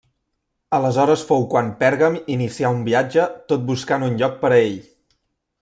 Aleshores fou quan Pèrgam inicià un viatge tot buscant un lloc per a ell.